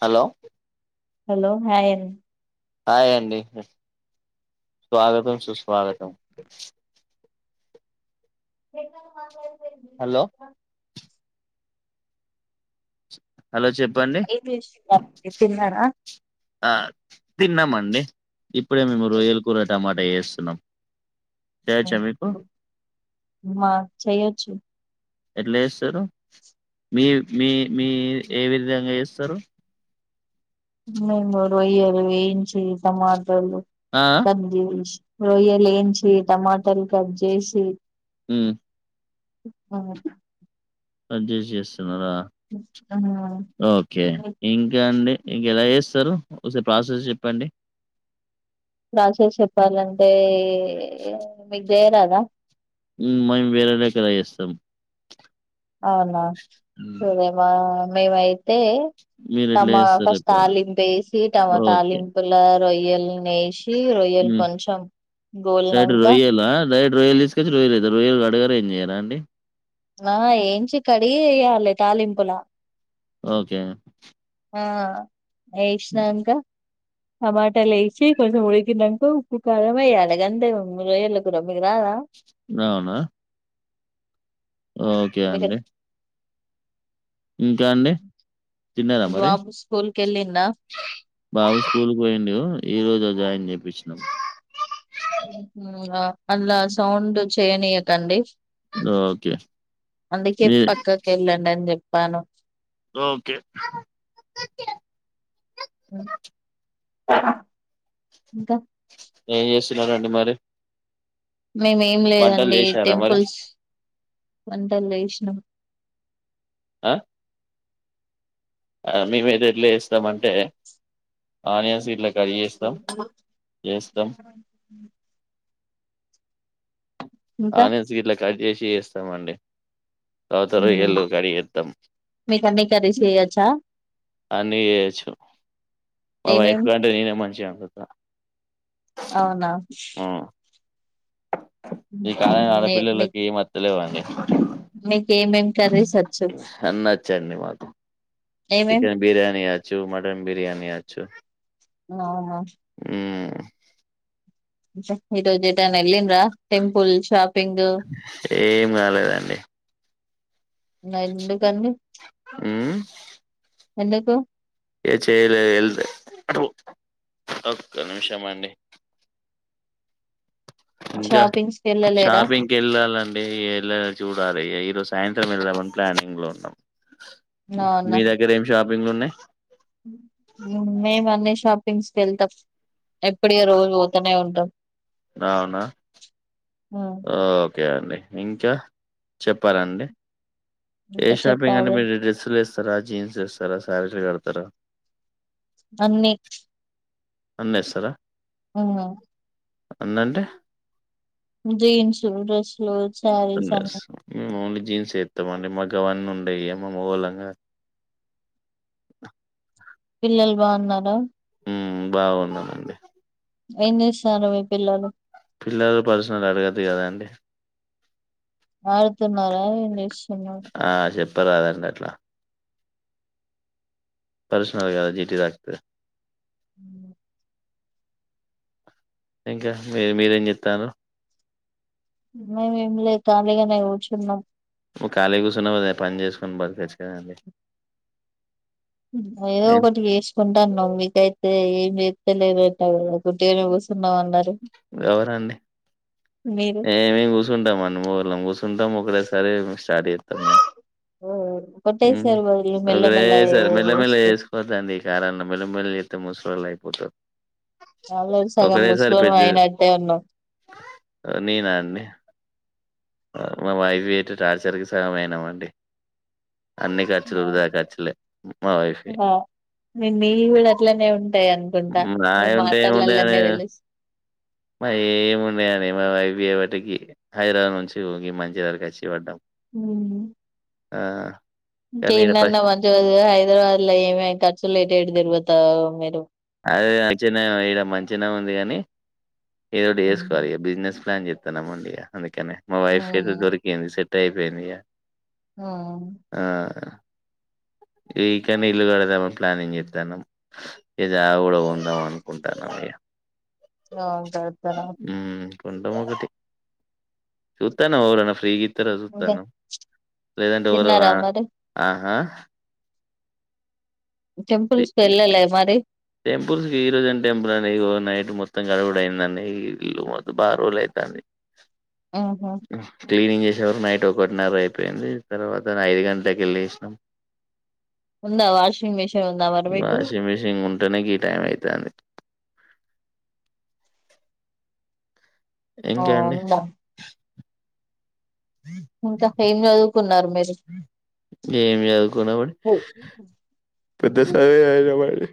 Hello hello hi అన్ hi అండి స్వాగతం సుస్వాగతం హాలో హలో చెప్పండి ఏం చేస్తున్నారు తిన్నారా ఆ తిన్నామ అండి ఇప్పుడే మేము రొయ్యలకూర టమాటా చేస్తున్నాం చేయొచ్చా మీకు అమ్మ చేయొచ్చు ఎట్లా చేస్తారు మీర్ మీ మీ ఏవిధంగా చేస్తారు మేము రొయ్యలు వేయించి టమాటలు ఆ కట్ చే రొయ్యలేంచి టమాటలు కట్ జేసి హ్మ్ అహ్ కట్ జేసి చేస్తున్నారా ఆ ఒకే మీకు ఇంకా అండి ఇంకెలా చేస్తారు ఒసర్ ప్రాసెస్ చెప్పండి ప్రసేస్ చెప్పాలంటే మీకు చేయరాదా హ్మ్ మేం వేరేళక్క లా ఏస్తాం అవునా సర్ మా మేం అయి అయితే మీరు ఎట్లా టమా చేస్తారు ఫస్ట్ చెప్పండి తాలింపేసి తమ ఓకే తాలింపుల రోయల్ని వేశీ రొయ్యలు కొంచం రోయలా డైరెక్ట్ రోయల్ తీసుకొచ్చి రోయల్ అత్ రోయల్ గడగారు ఏం చేయరా అండి ఆ ఏంచి కడిగీ ఏయలే తాలింపులా ఒకే ఆ ఏశ్నంక టమాట లేశి కొంచెం ఉడికినంకా ఉప్పు కారం ఏయ్యలే గంతే రాయల్ కూర మీకు రాద అవునా ఒకే మీకు అండి ఇంకాండి తినర మరి బాబు స్కూల్ కెళ్ళిండా బాబు స్కూల్ పొయిండూ ఈ రోజు జాయిన్ చెపిచ్ అల సౌండ్ చెయనియకండి ఓకే. అందుకె మీ పక్కకెళ్లండి అని చెప్పాను ఒకే హ్మ్ హ ఇంక ఏం చెస్తున్నరండి మరి మేమ్ ఏం వంటలు లెదండి చేశారా మరి? టెంపుల్స్ వంటల్ చేశానం ఆ ఆ మేమైతే ఎట్ల చెస్తామంటే ఆనియన్స్ ఇట్ల కడ్ జెస్తం జెస్తం ఇంకా ఆనియన్స్ ఇట్ల కట్జెసి ఏస్తామండి తతరు ఎళ్ళు మ్మ్. గడి ఏద్దం మీకు అన్ని కర్రీస్ చేయొచ్చా అన్ని చేయొచ్చు మా ఏమేం వయైఫ్ కంటె నేనే మంచిగా ఓండుత అవున ఈ కాలం నే పిల్లలకి ఏం అత్త లేదండి మీక్ ఏమేం కర్రీస్ ఒచ్చు ఒచ్ అండిమాక్ చికెన్ బిర్యానీ అచ్చు మటన్ బిర్యానీ అచ్చు అవున హ్మ్ జుప్ ఈరోజు ఎటు అన్న ఎల్లింర టెంపుల్ షాపింగ్ ఏం రాలెదండి నైన్కండి హ్మ్ ఎందుకు ఏ చేయలేద్ ఎల్త్ ఒక్క నిమిషం అండి ఇంకా షాపింగ్స్ కి వెళ్ళలేరా షాపింగ్కెళ్ళాలండి ఎలాక చూడాలి ఈరోజ్ సాయంత్రం వెళ్దమని ప్లానింగ్ లో ఉన్నం మీ దగ్గర ఏం షాపింగ్లు ఉన్నయి మేమ్ అన్నీ షాపింగ్స్కి ఏళ్తం ఏప్పుడే రోజు ఒతనే ఉంటం అవున ఒకే అండి ఇంకా చెప్పారండి ఏ ఇంకా షాపింగ్ అంటే చెప్పాలి మీర్ డ్రెస్సులు వేస్తర జీన్స్ వేస్తర శారీకడ్తర్ ఆ అన్నీ అన్నీ ఏస్తర హ్మ్ అన్అంటె జీన్సులు డ్రెస్సులు శారీస్ అన్ని వేస్తాం మేము ఓన్లీ జీన్స్ ఏతంమండి మాక్ గవన్నీ ఉండయ్ మగవాళంగా పిల్లల్ బాన్నారా హ్మ్ బావున్నారండి ఏంచెస్తారు మీ పిల్లలు పిల్లల్ పర్సనల్ అడగొదుకద అండి వాడుతున్నార ఇంగ్లీష్ ఆ చెప్పరదండి అట్ల పర్సనల్ గా జిట్టి తాక్త హ్మ్ ఇంక మీర్ మీరెం చేస్తారు. మేమ్ ఏంలే కాలిగనె కుర్చున్నాం. నువ్ ఖాళీగ కూసూనేబదులు ఏపని చేసుకొని బతకోచ్చు కదండి. ఉమ్ ఏదొ నేను ఒకటి చెసుకుంటాము నువ్ మీకైతే ఏం చెస్తాలెవ్ [unintelligible] ఉట్టిగా కూసున్న అన్నరు ఏ మేము కూసుంటం అన్నమళం కూసుంటం ఒకటేసారి స్టార్ట్ చెత్తాం ఇగ ఓ హ్మ్ ఒకటేసారి మెల్లమెల్ల చేసుకోవచ్చు వేసికోతాండి ఈ కారంలో మెల్లమెల్లి చేతే ముసలొళ్ అయి ఆహ్. చాలులే సగం ముసలోళం అయినట్టే ఉన్నాం. ఎనాన్నే. మా వైఫ్ పెట్టే టార్చర్కి సాగమయినమండి. అన్ని ఖర్చులు వృధా ఖర్చులే మా వైఫ్వి. ఆ మీవి కూడా అట్లనే ఉంటాయి అనుకుంటా మీ నాయి మాటలల్లనే తెలుసు. మా ఏమి ఉన్నాయని మా వైఫ్ చేయబట్టి ఈ హైదరాబాద్ నుంచి ఈ మంచిర్యాలకు వచ్చి పడ్డం. ఉమ్. ఆహ్. ఇడనన్న మంచిగ హైదరాబాద్ లో ఏమేమ్ ఖర్చులేటేట్ ట్ తిరుగుతావో మీరు. అదే మంచిగానే ఇడ మంచినే ఉంది కాని ఏదో ఒకటి మీరు చేసుకోవాలి బిజినెస్. ప్లాన్ చెస్తున్నముందే అందుకనే మా వైఫ్ ఉమ్ కైతే దొరికింది సెటై అయిపోయింది ఇక. ఉమ్ ఆహ్. ఇకనే ఇల్లు కడదామని ప్లానింగ్ చేస్తున్నాం జాగా కూడా కొందాం అనుకుంటు. ఆహ్ ఇగ. ఆవ్ కడతారా. వుంటం ఒకటి చూతాన్న ఒవరన్నా ఫ్రీ గి. తిర్గా ఇంకా చూతానం లేదంటే ఎవరో తిన్నారా ఆహా మరి ఆహ్. టెంపుల్స్ కి వెళ్ళలే మరి టెంపుల్స్ కి ఈరోజ్ ఏం టెంపుల్ అండి ఇగో నైట్ మొత్. మొత్తం కడుగుడు అయిందడి ఇల్లు మెత్తం బాగా రోజూలు అయితంది. ఉహు క్లీనింగ్ చేస్. ఇగ నైట్ ఒకటి న్నర అయిపోయింది తర్వాత ఐదు గంటలకే లేసినం. ఉందా వాష్. వాషింగ్ మిషన్ ఉంటనే ఈ టైం అయితాంది. ఆ ఇంక అండి. ఉందా ఇంకా ఏం చదువు. ఏం సదుకున్నామండి. ద్దస్సరే అయనమండి.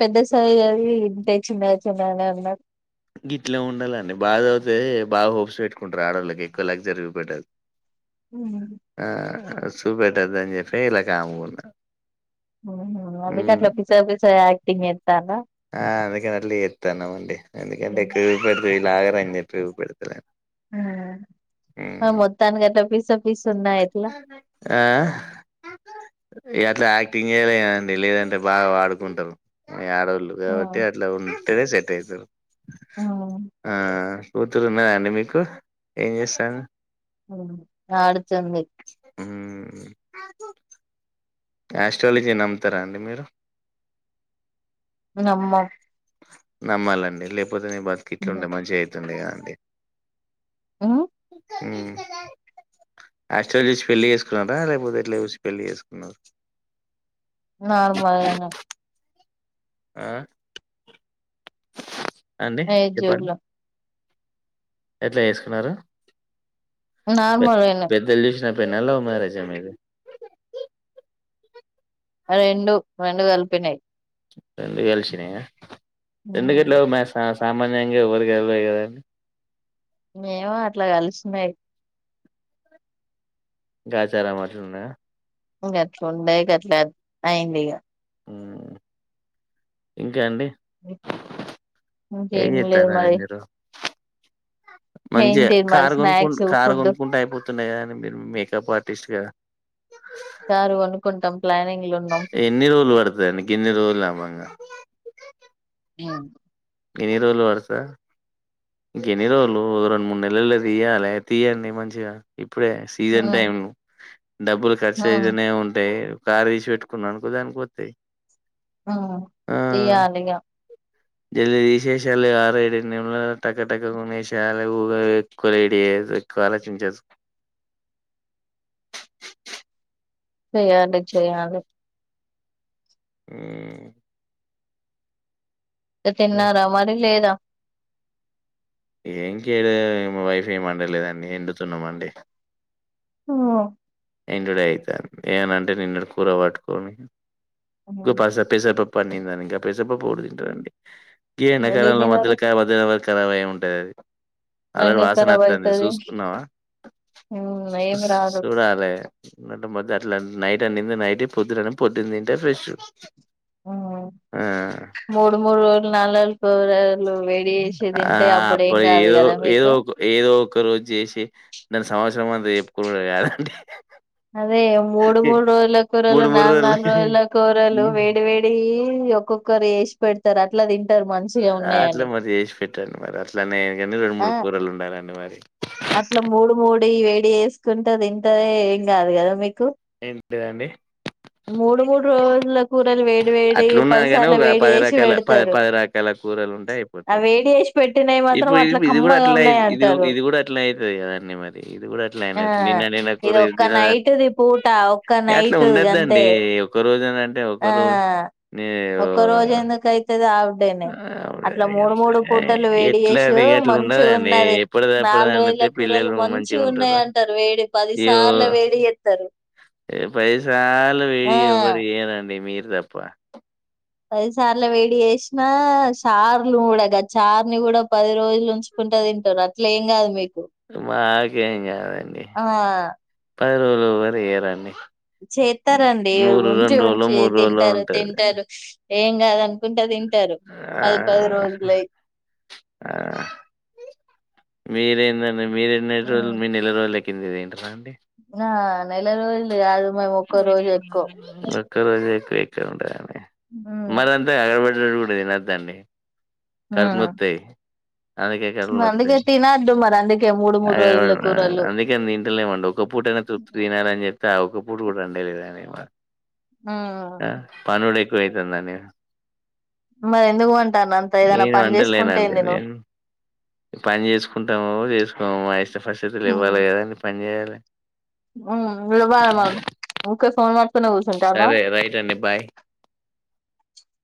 పెద్ద చదువు చదివి ఇంతే చిన్న చిన్నగనే ఉన్నారు. గిట్లే ఉండాలండి బాగా చదువుతే బాగా హోప్స్ పెట్టుకుంటారు ఆడవోళ్ళకి ఎక్కువ లగ్జరీ చూపెట్టొద్దు. ఉహు ఆహ్ చూపెట్టొద్దాని చెప్పి ఇలా కామ్ గా ఉన్నా. అవునా అందుకే అట్లా పిచ్చగా పిచ్చగా యాక్టింగ్ చేత్. ఆహ్ అందుకే అట్ల చేతున్నముందే అందుకుంటే ఉమ్ ఎక్కువ చూపెడతే వీళ్ళు ఆగారని చెప్పి చూపెడుతలేను. ఉమ్. మొత్తాన్గాట్లా పిస పిస ఉన్నాయ ఎట్లా. ఇంకా అట్లా యక్. టియేలండి లేదంటే బాగా వాడుకుంటారు మీ ఆడోళ్ళు కాబట్టి ఉమ్ అట్లా ఉన్. ఉంటనే సెట్ అయితరు ఉమ్. ఆహ్. కూతురు ఉన్నయ అండి మీకు ఏం చేస్తారు. ఆడుతుంది. హుమ్. ఆస్ట్రాలజీ నమ్ముతరా అండి మీరు. నమ్మం నమ్మాలండి లేకపోతే మీ బతికిట్లు ఉండే మంచిగా అవుతుందిగా అండి ఉమ్ ఉమ్ ఆస్ట్రాలజీ చూసి పెళ్లి చేసుకున్నారా లేపోతే ఎట్లా చూసి పెళ్లి చేసుకున్నారు నార్మల్గానే ఆహ్. అండి ఎయిట్ చెప్పండ్. జూబ్లో ఎట్లేస్కున్నరా. నార్మల్గానే. లవ్ మ్యారేజా మీది రెండు రెండు కలిపినాయ్ రెండు కలిసినయ రెండు గిట్లకాలిసినయ్ సామాన్యంగా ఎవరికి ఇవరుకదా అండి ఏమో అట్లా కలిసినయ్ గాచారం మట్లున్నదా గట్ల ఉంటాయి గట్లా అయింది ఇగ ఉమ్ ఇంకా అండి ఏం ఇంకేం లేదు జెస్తున్నారు అండి మరి మీరు మంచిగ ఏంటి మరి కారు గిన్కు స్నాక్స్ కారు ఫుడ్ గిన్కుంటే ఐపోతుండే గదా మీర్ మేకప్ ఆర్టిస్ట్ గా కారు కొనుకుంటాం ప్లానింగ్ ఎన్ని రోళ్లు వడ్తదండి అండి గిన్ని రోజ్లమ్మంగా [unintelligible] ఎన్ని రోజులు వాడతాది ఎన్ని రోజులు రెండు మూడు నెలలోనే తీయ్యాలే తీయండి మంచి ఆ ఇప్పుడే సీజన్ టైంను డబ్బులు ఖర్చైతనే ఉంటయ్ కార్ దీసి వెట్టుకున్నన్కో దానికొత్తయ్ ఆ తీయ్యాలి ఇగా జల్ది దిశేశాయాలి [unintelligible] ఎక్కువ ఆలోచించొద్దు యంటే చెయ్యాలే ఉమ్ తిన్నారా మరి లేదా ఏ ఇంకేడ మా వైఫ్ ఏమండ లేదండి ఎండుతున్నామండి ఉఓహ్ ఇండుడైతాంది అవన్నంటే నిన్నడి కూర వట్టుకొని [unintelligible] ఇంగగా పెసర్పప్పేవ్వడుదింటడండి ఎందుకు గీయేండకాలంల తినరు మధ్యల [unintelligible] కరావయ్యే ఉంటదదీ ఎందుకు ఖరాబ్ వాసననొత్తాంది దదీ అయితది సూసుకున్నావా ఏం రాదు సూడాలే మ్ నటే అట్లా నైట్ నిన్ననైటే పొద్దునన్నం పోద్దుంన్నింటే ఫ్రెష్ ఆ మూడు మూడ్ రోజ్ల్ నాల్నాల్ కూరగాయలు వేడి ఏశి ఆ తింటే అప్పుడేం గాదు గదా మీకు ఒక్క రోజు జేసి దాన్ని సంవత్సరమంత చెప్పుకునుడే గాదండి అదే మూడు మూడ్ రోజ్ల కూరలు మూడు మూడు నాల్నాల్ రోజులకి రోజ్ల కూరలు వేడి వేడియి ఇగ ఒక్కొక్కరు ఏసి పెడ్తర్ అట్ల దిం ఆ అట్ల మరి జేస్పెట్టాలి మరి అట్లనే ఎండు రెండు మూడ్ కూరలు ఉండాలండి మరి అట్ల మూడు మూడి వేడి జేసుకుంట దింటే ఏంగాదు గాదా మీకు ఏంటిదండి? మూడు మూడ్రోజ్ల అట్లున్నది గానీ ఒగ పది చేసి రకాల ప పెడతారు పది రకాల కూరలుంటే ఆ ఐయిపోతది వేడి చేసి పెట్టినవి మాత్రం ఇప్పు ఇది అట్లా ఉఇది గూడా కమ్మగా అట్లనే ఉన్నాయి ఇది అంటారు ఉఇది గూడ అట్లనైతది గదన్నీ మరి ఇది గూడట్లనే ఆ అట్లనైతది నిన్న నిన్న కూర ఇది ఇరోజ్ ఒక్క దినన్ నైట్ది పూట ఒక్క నైట్ గంతే అట్లుండొద్దండి ఒక రోజ ఆ ఒక్క ఓ రోజెందుకైతది ఆ అంతేనే అట్లా మూడు మూడు అవునండి. పూటలు వేడి ఎట్లా జేషో అంటే ఎట్లా మంచి ఉండదండి ఉన్నది ఎప్పుడుది ఎప్పుడు నాల్రోజులు అండితే ఇగ కురలు పిల్లలు మంచి మంచిగా ఉంటారు ఉన్నాయంటారు వేడి పదిసార్ల వేడి చేత్తరు ఏ ప్రతిసారాలు వేడి గా ఎవ్వరు జేయ్యారు అండి మీరు తప్ప పదిసార్ల వేడి చేసినా చార్లు కూడా గ చార్ని గూడా పది రోజులు ఉంచుకున్ న్ట తింటరు అట్ల ఏం కాదు మీక్ మాకేం కాదండి ఆ పది రోజులు ఎవరియ్యరండి చెత్తారండి ఉంచి రోజులు ఉంచి మూడు రోజులు తింటారు ఉంటది తింటారు ఏం కాదనుకుంట తింటారు టరు పది పది రోజులై అహ్ మీరెందండి మీరెన్నీ రోజులు మీ నెల రోజులకింది తింటరా అన్ ఆహ్ నెలరోజులు గాదు ఒక్కరోజు ఎక్కువ ఎక్కువుంటదండి మ్మ్ మారంతే గద బె ఒక్క రోజు తినొదండి కడుపు నోత్తయ్ మ అందుకే తినోడ్డు మరందుకే మూడు మూడు ఆగడు రోజుల పడడు కూరలు అందుకే తింటాలేమండి ఒక పూట అయినా తృప్ తినాలని చెప్తే ఆ ఒక్క పూట గూడా రండేలేదం మ్మ్ హ పనుడెక్కువైతండండి మరి ఎందుకు పంటన్ అంత ఏదైనా నేను పని అంటలేనండి. చేసుకుంటెంది నువ్ నేను పని చేసుకుంటామో చేసుకొమో మా ఇష్ట పరిస్థితులు ఇవ్వాలి కదండీ పని చేయాలి [unintelligible] ఉకే ఫోన్ పట్టుకునే కూర్చుంటాన్నావ్ సరే రైట్ అండి బాయ్